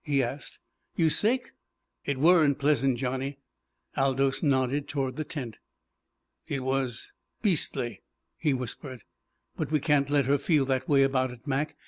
he asked. "You sick?" "It weren't pleasant, Johnny." Aldous nodded toward the tent. "It was beastly," he whispered. "But we can't let her feel that way about it, Mac.